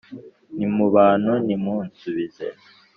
ni mu bantu Nimunsubize